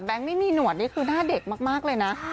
ไม่มีหนวดนี่คือหน้าเด็กมากเลยนะ